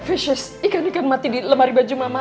fisious ikan ikan mati di lemari baju mama